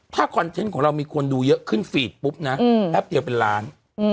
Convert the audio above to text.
ถ้าคอนเทนต์ของเรามีคนดูเยอะขึ้นฟีดปุ๊บนะแป๊บเดียวเป็นล้าน